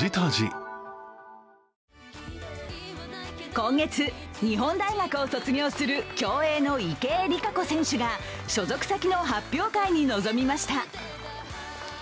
今月、日本大学を卒業する競泳の池江璃花子選手が所属先の発表会に臨みました。